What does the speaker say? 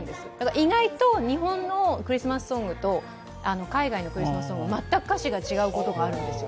意外と日本のクリスマスソングと海外のクリスマスソング、全く歌詞が違うことがあるんですよ。